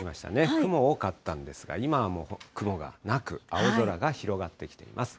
雲多かったんですが、今は雲がなく、青空が広がってきています。